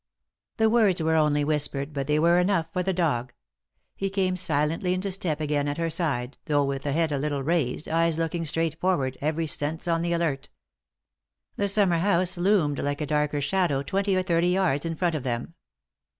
The words were only whispered, but they were enough for the dog. He came silently into step again at her side, though with head a little raised, eyes looking straight forward, every sense on the alert. The summer house loomed like a darker shadow twenty or thirty yards in front of them.